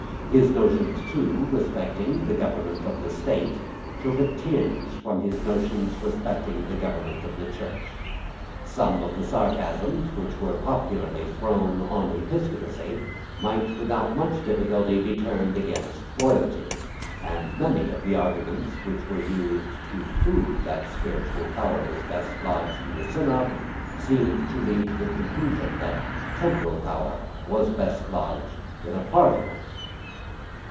His notions, too, respecting, the government of the state took a tinge from his notions respecting the government of the Church. Some of the sarcasms which were popularly thrown on episcopacy might, without much difficulty, be turned against royalty; and many of the arguments which were used to prove that spiritual power was best lodged in a synod seemed to lead to the conclusion that temporal power was best lodged in a parliament.